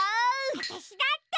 わたしだって！